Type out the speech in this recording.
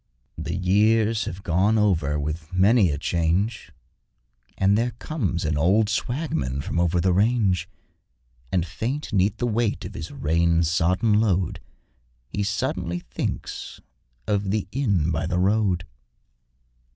..... The years have gone over with many a change, And there comes an old swagman from over the range, And faint 'neath the weight of his rain sodden load, He suddenly thinks of the inn by the road.